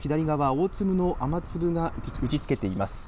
大粒の雨粒がうち付けています。